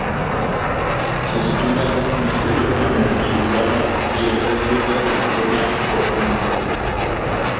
Se titula "Misterio en el Zurbarán" y está escrita por Gloria Fortún.